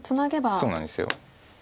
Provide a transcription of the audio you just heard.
そうなんです。